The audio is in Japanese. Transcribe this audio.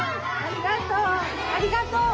ありがとう！